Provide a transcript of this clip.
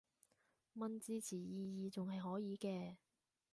問字詞意義仲係可以嘅